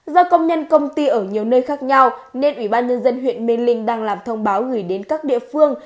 do công nhân công ty ở nhiều nơi khác nhau nên ủy ban nhân dân huyện mê linh đang làm thông báo gửi đến các địa phương